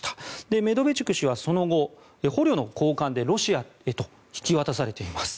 メドベチュク氏はその後捕虜の交換でロシアへと引き渡されています。